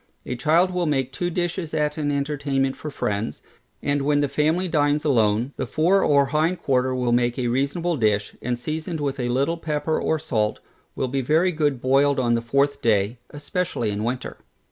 A child will make two dishes at an entertainment for friends, and when the family dines alone, the fore or hind quarter will make a reasonable dish, and seasoned with a little pepper or salt, will be very good boiled on the fourth day, especially in winter.